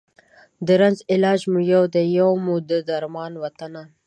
د رنځ علاج مو یو دی، یو مو دی درمان وطنه